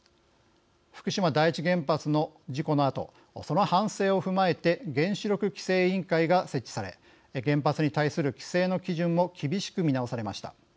福島第一原発の事故のあとその反省を踏まえて原子力規制委員会が設置され原発に対する規制の基準も厳しく見直されました。